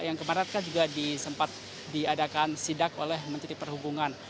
yang kemarin kan juga disempat diadakan sidak oleh menteri perhubungan